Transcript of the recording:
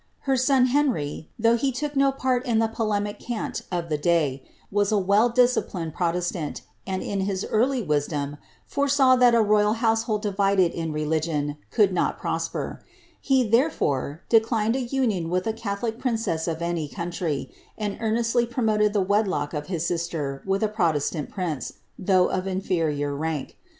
Her son, Henry, though he took no part in the polemic cant of the day, was a well principled pro testant, and, in his early wisdom, foresaw that a royal household divided in religion could not prosper; he, therefore, declined a union with a catholic princess of any country, and earnestly promoted the wedlock of his sister with a protestant prince, though of inferior rank.